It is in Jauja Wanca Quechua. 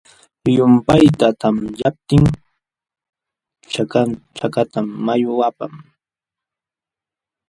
Llumpayta tamyaptin chakatam mayu apan.